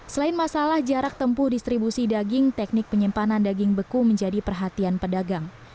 selain masalah jarak tempuh distribusi daging teknik penyimpanan daging beku menjadi perhatian pedagang